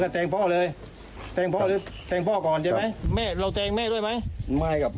ถึงไว้หลายวันเลยคืน